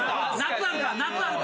夏あるか？